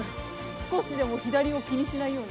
少しでも左を気にしないように。